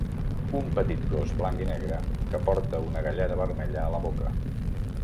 un petit gos blanc i negre que porta una galleda vermella a la boca